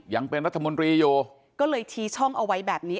ยังเป็นรัฐมนตรีอยู่ก็เลยชี้ช่องเอาไว้แบบนี้